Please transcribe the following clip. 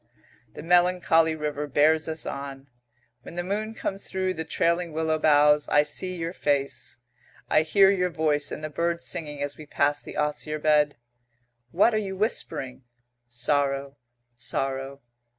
The melancholy river bears us on. When the moon comes through the trailing willow boughs, I see your face, I hear your voice and the bird singing as we pass the osier bed. What are you whispering? Sorrow, sorrow.